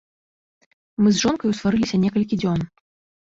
Мы з жонкаю сварыліся некалькі дзён.